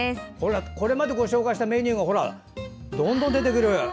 これまでご紹介したメニューがどんどん出てくる。